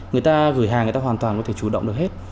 người ta gửi hàng người ta hoàn toàn có thể chủ động được hết